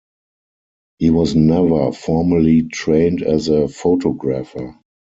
He was never formally trained as a photographer.